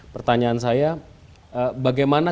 pertanyaan saya bagaimana